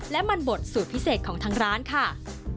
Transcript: และมันบดสูตรพิเศษของทางร้านค่ะ